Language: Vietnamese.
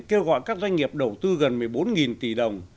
kêu gọi các doanh nghiệp đầu tư gần một mươi bốn tỷ đồng